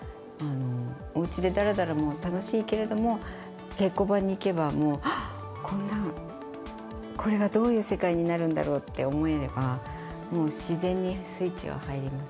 おうちでだらだらも楽しいけれども、稽古場に行けば、もう、あっ、こんな、これはどういう世界になるんだろうって思えれば、もう自然にスイッチは入ります。